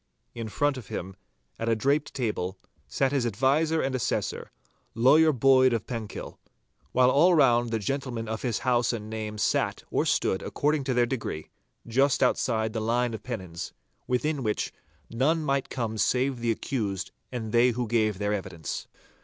In front of him, at a draped table, sat his adviser and assessor, Lawyer Boyd of Penkill, while all round the gentlemen of his house and name sat or stood according to their degree, just outside the line of pennons, within which none might come save the accused and they who gave their evidence.